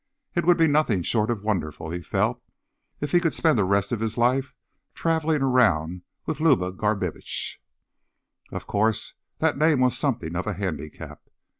It would be nothing short of wonderful, he felt, if he could spend the rest of his life traveling around with Luba Garbitsch. Of course, that name was something of a handicap.